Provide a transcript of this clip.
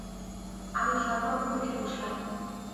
আমি ধড়মড় করে উঠে বসলাম।